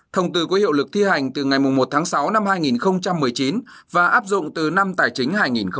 thông tư có hiệu lực thi hành từ ngày một tháng sáu năm hai nghìn một mươi chín và áp dụng từ năm tài chính hai nghìn một mươi chín